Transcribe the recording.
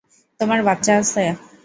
তোমার বাচ্চা আছে?